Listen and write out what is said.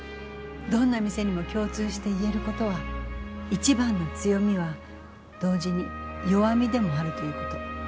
どんな店にも共通して言えることは一番の強みは同時に弱みでもあるということ。